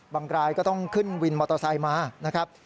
รายก็ต้องขึ้นวินมอเตอร์ไซค์มานะครับ